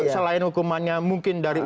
selain hukumannya mungkin dari